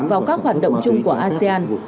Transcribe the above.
vào các hoạt động chung của asean